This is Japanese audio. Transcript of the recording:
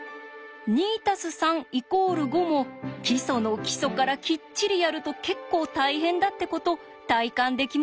「２＋３＝５」も基礎の基礎からきっちりやると結構大変だってこと体感できましたね。